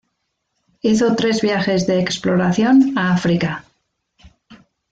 Hizo tres viajes de exploración a África.